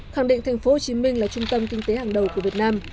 khẳng định thành phố hồ chí minh là trung tâm kinh tế hàng đầu của việt nam